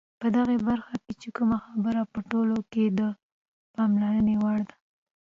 په دغه برخه کې چې کومه خبره په ټوله کې د پاملرنې وړ ده،